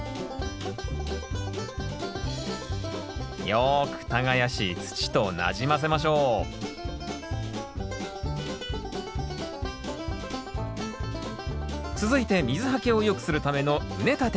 よく耕し土となじませましょう続いて水はけを良くするための畝立て。